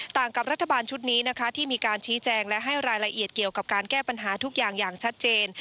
ต่างกับรัฐบาลชุดนี้นะคะที่มีการชี้แจงและให้รายละเอียดเกี่ยวกับการแก้ปัญหาทุกอย่างอย่างชัดเจน